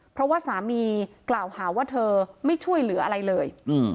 เพราะว่าสามีกล่าวหาว่าเธอไม่ช่วยเหลืออะไรเลย